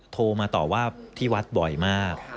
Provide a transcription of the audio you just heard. โทรมาต่อว่าที่วัดบ่อยมาก